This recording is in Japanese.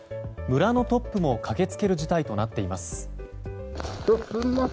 村のトップも駆けつける事態となっています。